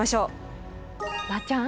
ばあちゃん